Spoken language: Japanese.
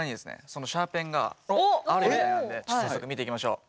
そのシャーペンがあるみたいなんで早速見ていきましょう！